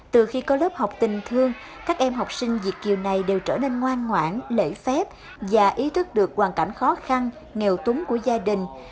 từ khi có lớp học tình thương các em học sinh việt kiều này đều trở nên ngoan ngoãn lễ phép và ý thức được hoàn cảnh khó khăn nghèo túng của gia đình